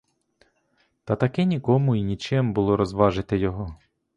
Та таки нікому й нічим було розважити його.